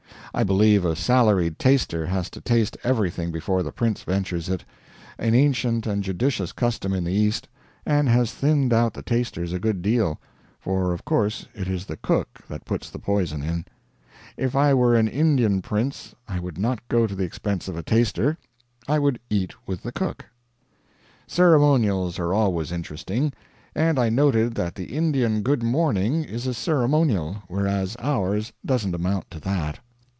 I believe a salaried taster has to taste everything before the prince ventures it an ancient and judicious custom in the East, and has thinned out the tasters a good deal, for of course it is the cook that puts the poison in. If I were an Indian prince I would not go to the expense of a taster, I would eat with the cook. Ceremonials are always interesting; and I noted that the Indian good morning is a ceremonial, whereas ours doesn't amount to that.